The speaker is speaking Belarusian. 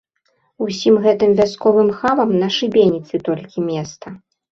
Усім гэтым вясковым хамам на шыбеніцы толькі месца!